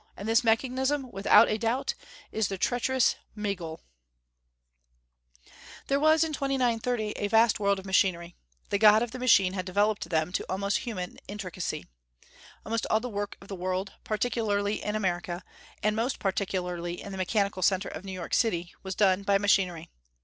And this mechanism, without a doubt, is the treacherous Migul." There was, in 2930, a vast world of machinery. The god of the machine had developed them to almost human intricacy. Almost all the work of the world, particularly in America, and most particularly in the mechanical center of New York City, was done by machinery.